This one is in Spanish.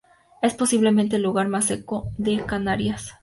Es posiblemente el lugar más seco de Canarias.